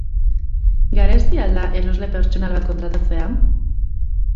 Garestia al da erosle pertsonal bat kontratatzea?